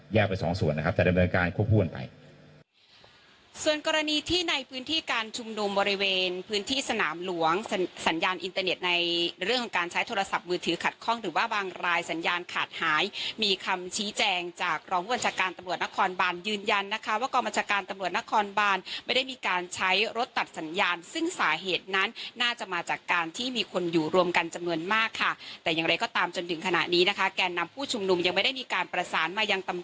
แยกไปสองส่วนนะครับแต่ดังนั้นการควบคุมกันไปส่วนกรณีที่ในพื้นที่การชุมนุมบริเวณพื้นที่สนามหลวงสัญญาณอินเตอร์เน็ตในเรื่องของการใช้โทรศัพท์มือถือขัดคล่องหรือว่าบางรายสัญญาณขาดหายมีคำชี้แจงจากรองบริษัทการตำรวจนครบานยืนยันนะคะว่ากรบริษัทการตำรวจนครบานไม่ได้ม